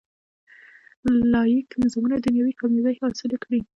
لاییک نظامونه دنیوي کامیابۍ حاصلې کړي.